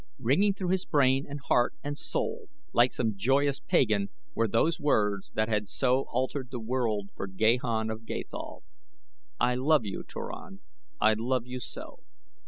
Ringing through his brain and heart and soul like some joyous paean were those words that had so altered the world for Gahan of Gathol: "I love you, Turan; I love you so!"